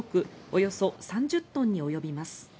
およそ３０トンに及びます。